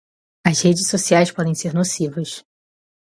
As redes sociais podem ser nocivas.